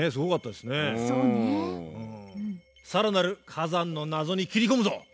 更なる火山の謎に切り込むぞ！